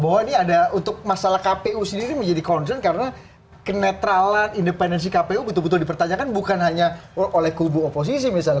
bahwa ini ada untuk masalah kpu sendiri menjadi concern karena kenetralan independensi kpu betul betul dipertanyakan bukan hanya oleh kubu oposisi misalnya